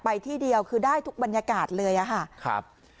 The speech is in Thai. ไปที่เดียวคือได้ทุกบรรยากาศเลยอะฮะ